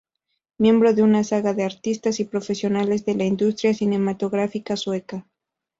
Miembro de una saga de artistas y profesionales de la industria cinematográfica sueca.